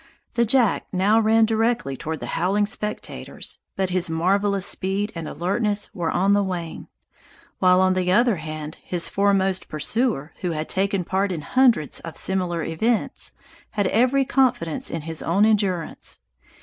The Jack now ran directly toward the howling spectators, but his marvelous speed and alertness were on the wane; while on the other hand his foremost pursuer, who had taken part in hundreds of similar events, had every confidence in his own endurance.